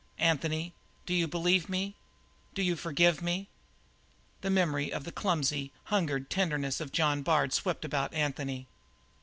Anthony, do you believe me; do you forgive me?" The memory of the clumsy, hungered tenderness of John Bard swept about Anthony.